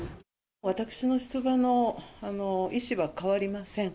私の出馬の意思は変わりません。